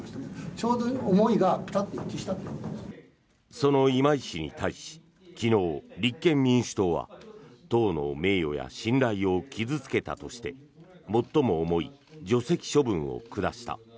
その今井氏に対し昨日、立憲民主党は党の名誉や信頼を傷付けたとして最も重い除籍処分を下した。